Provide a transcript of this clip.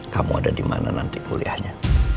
kamu ada dimana nanti kuliahnya